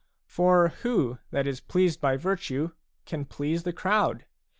For who that is pleased by virtue can please the crowd?